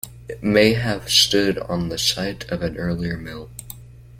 It may have stood on the site of an earlier mill.